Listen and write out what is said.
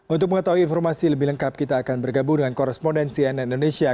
untuk mengetahui informasi lebih lengkap kita akan bergabung dengan korespondensi nn indonesia